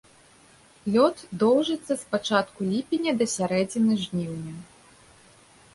Лёт доўжыцца з пачатку ліпеня да сярэдзіны жніўня.